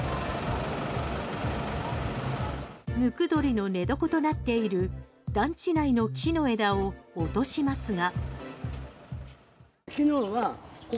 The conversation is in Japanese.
ムクドリの寝床となっている団地内の木の枝を落としますが。